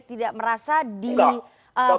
tidak merasa diperingatkan